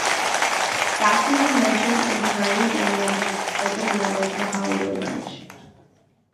Baxley was mentioned in Charlie Daniels' "Open Letter to the Hollywood Bunch".